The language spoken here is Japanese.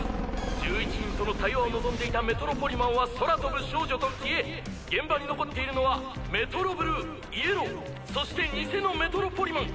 １１人との対話を望んでいたメトロポリマンは空飛ぶ少女と消え現場に残っているのはメトロブルーイエローそしてニセのメトロポリマン